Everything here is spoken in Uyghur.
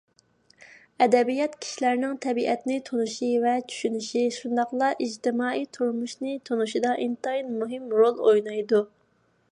ئەدەبىيات كىشىلەرنىڭ تەبىئەتنى تونۇشى ۋە چۈشىنىشى، شۇنداقلا ئىجتىمائىي تۇرمۇشنى تونۇشىدا ئىنتايىن مۇھىم رول ئوينايدۇ.